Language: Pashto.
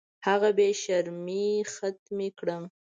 هغه بې شرمۍ ختمې کړم.